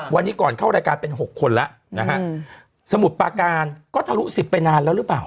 วันนี้ก่อนเข้ารายการเป็นหกคนแล้วนะฮะสมุดปาการก็ทะลุ๑๐ไปนานแล้วหรือเปล่า